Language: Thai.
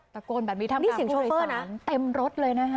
ตะโกนผู้โดยสารเต็มรถเลยนะครับ